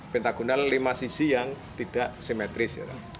pentagunal lima sisi yang tidak simetris